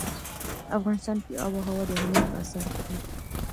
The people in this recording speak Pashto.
افغانستان کې آب وهوا د هنر په اثار کې دي.